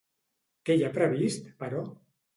Què hi ha previst, però?